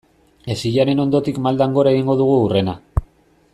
Hesiaren ondotik maldan gora egingo dugu hurrena.